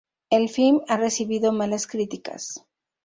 El film ha recibido malas críticas.